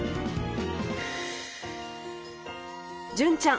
純ちゃん